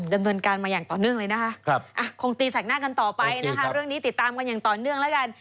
ดำเนินการมาอย่างต่อเนื่องเลยนะคะคงตีแสกหน้ากันต่อไปนะคะเรื่องนี้ติดตามกันอย่างต่อเนื่องแล้วกัน